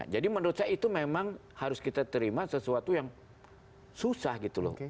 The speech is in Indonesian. jadi menurut saya itu memang harus kita terima sesuatu yang susah gitu loh